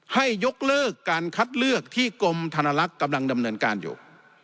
ให้ยกเลิกการคัดเลือกที่กรมธนลักษณ์กำลังดำเนินการอยู่